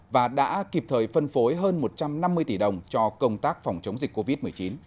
và đã kịp thời phân phối hơn một trăm năm mươi tỷ đồng cho công tác phòng chống dịch covid một mươi chín